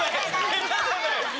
下手じゃない。